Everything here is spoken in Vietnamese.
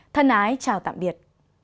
thân ái chào tạm biệt